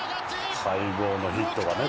待望のヒットがね